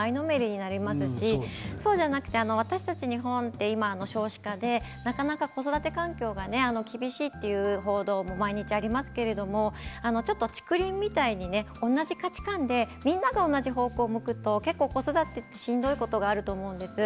そうじゃなくて私たち、今日本って少子化で今、子育て環境が厳しいという報道も毎日ありますけどちょっと竹林みたいに同じ価値観でみんなが同じ方向を向くと子育てってしんどいことがあると思うんです。